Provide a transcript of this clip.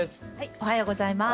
おはようございます。